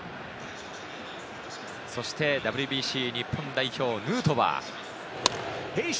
そしてＷＢＣ日本代表・ヌートバー。